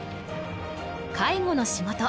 介護の仕事。